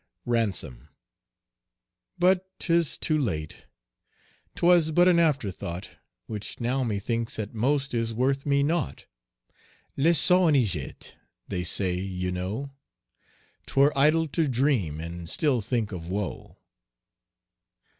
RANSOM. But 'tis too late. 'Twas but an afterthought, Which now methinks at most is worth me naught; Le sort en est jetté, they say, you know; 'Twere idle to dream and still think of woe.